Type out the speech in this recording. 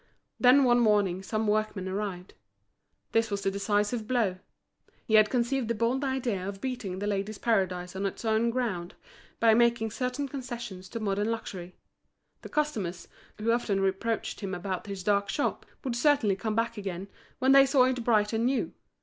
Then one morning some workmen arrived. This was the decisive blow. He had conceived the bold idea of beating The Ladies' Paradise on its own ground by making certain concessions to modern luxury. The customers, who often reproached him about his dark shop, would certainly come back again, when they saw it bright and new.